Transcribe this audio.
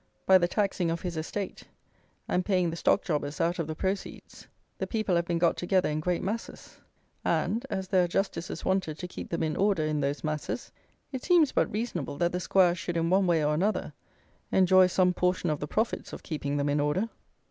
By the taxing of his estate, and paying the Stock Jobbers out of the proceeds, the people have been got together in great masses, and, as there are Justices wanted to keep them in order in those masses, it seems but reasonable that the squire should, in one way or another, enjoy some portion of the profits of keeping them in order.